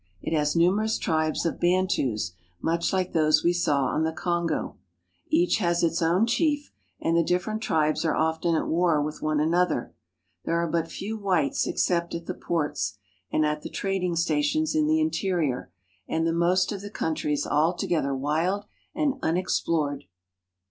It has numerous tribes of Bantus, much like those we saw on the Kongo. Each has its own chief, and the different tribes are often at war with one another. There are but few whites except at the ports and at the trading stations in the interior, and the most of the country is altogether wild and unexplored.